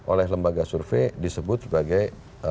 oleh lembaga survei disebut sebagai